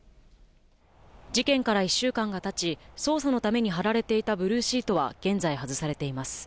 事件から１週間がたち、捜査のために張られていたブルーシートは現在、外されています。